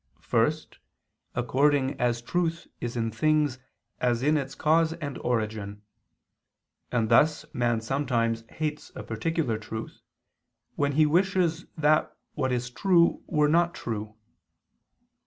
First, according as truth is in things as in its cause and origin. And thus man sometimes hates a particular truth, when he wishes that what is true were not true.